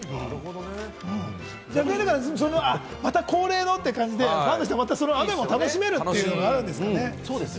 逆に、また恒例のって感じで、ファンの人は雨も楽しめるっていうのはあるんですかね？